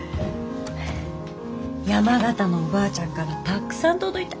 山形のおばあちゃんからたくさん届いた。